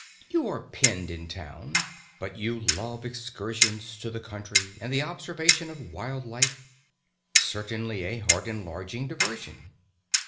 You are "penned in town," but you love excursions to the country and the observation of wild life certainly a heart enlarging diversion.